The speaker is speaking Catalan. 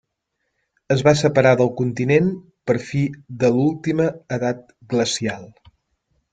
Es va separar del continent per fi de l'última edat glacial.